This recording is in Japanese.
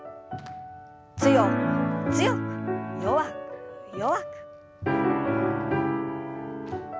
強く強く弱く弱く。